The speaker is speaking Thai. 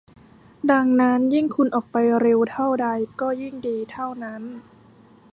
ดังนั้นยิ่งคุณออกไปเร็วเท่าใดก็ยิ่งดีเท่านั้น